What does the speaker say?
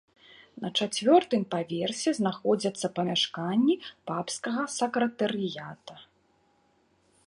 На чацвёртым паверсе знаходзяцца памяшканні папскага сакратарыята.